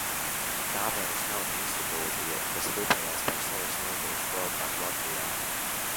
Tā vairs nav institūcija, kas rūpējas par savas nozares kvalitāti Latvijā.